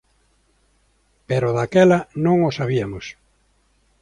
Pero daquela non o sabiamos.